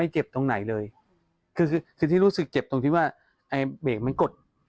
เจ็บตรงไหนเลยคือคือที่รู้สึกเจ็บตรงที่ว่าไอ้เบรกมันกด